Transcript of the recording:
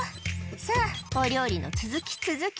「さぁお料理の続き続き」